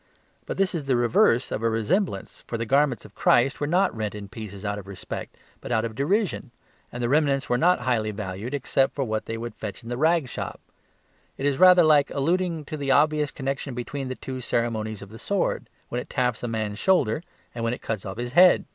But this is the reverse of a resemblance, for the garments of Christ were not rent in pieces out of respect, but out of derision; and the remnants were not highly valued except for what they would fetch in the rag shops. It is rather like alluding to the obvious connection between the two ceremonies of the sword: when it taps a man's shoulder, and when it cuts off his head.